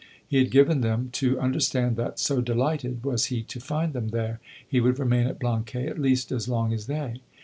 He had given them to understand that, so delighted was he to find them there, he would remain at Blanquais at least as long as they.